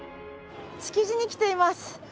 築地に来ています。